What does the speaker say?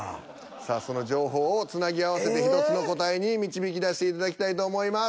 さあその情報をつなぎ合わせて１つの答えに導き出していただきたいと思います。